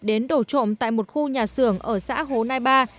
đến đổ trộm tại một khu nhà xưởng ở xã hồ nai ba